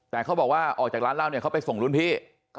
แต่เขาบอกว่าออกจากร้านเหล้าเนี่ยเขาไปส่งรุ่นพี่